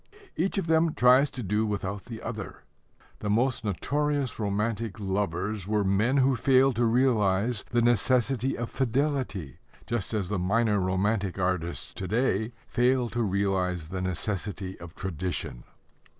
Each of them tries to do without the other. The most notorious romantic lovers were men who failed to realize the necessity of fidelity, just as the minor romantic artists to day fail to realize the necessity of tradition.